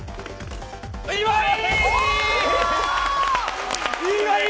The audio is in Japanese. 岩井！